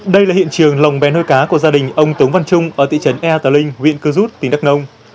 đây là hiện trường lồng bé nuôi cá của gia đình ông tống văn trung ở thị trấn yatling huyện cư rút tỉnh đắk nông